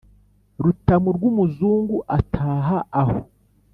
Rutamu rw'umuzungu ataha aho.